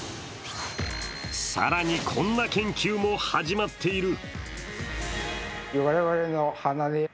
更に、こんな研究も始まっている。